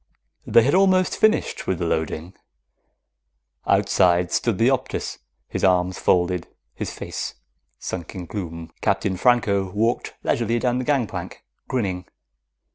_ They had almost finished with the loading. Outside stood the Optus, his arms folded, his face sunk in gloom. Captain Franco walked leisurely down the gangplank, grinning.